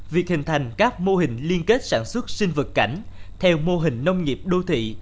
việc hình thành các mô hình liên kết sản xuất sinh vật cảnh theo mô hình nông nghiệp đô thị